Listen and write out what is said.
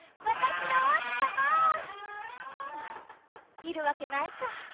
私の王子様！はあいるわけないか。